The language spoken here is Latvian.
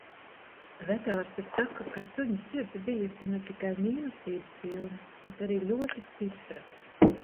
Vetārste saka, ka suņa sirds bijusi ne tikai mīlestības pilna, bet arī ļoti stipra.